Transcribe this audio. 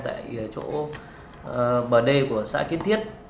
tại chỗ bờ đê của xã kiến thiết